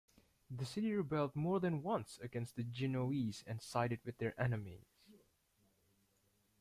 The city rebelled more than once against the Genoese and sided with their enemies.